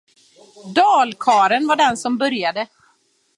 Dalkarlen var den som började.